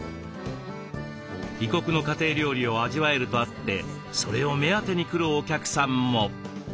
異国の家庭料理を味わえるとあってそれを目当てに来るお客さんも。